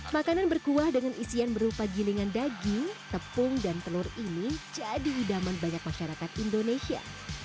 makanan berkuah dengan isian berupa gilingan daging tepung dan telur ini jadi idaman banyak masyarakat indonesia